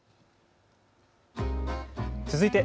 続いて＃